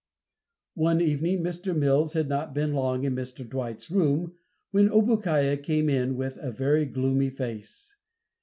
One evening Mr. Mills had not been long in Mr. Dwight's room, when Obookiah came in with a very gloomy face.